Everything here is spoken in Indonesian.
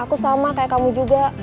aku sama kayak kamu juga